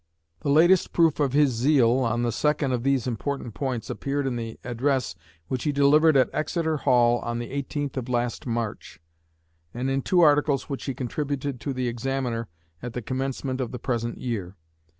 The latest proof of his zeal on the second of these important points appeared in the address which he delivered at Exeter Hall on the 18th of last March, and in two articles which he contributed to "The Examiner" at the commencement of the present year.